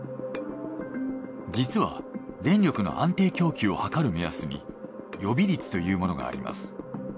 実は電力の安定供給をはかる目安に予備率というものがあります。